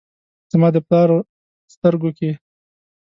زما د پلار سترګو کې ،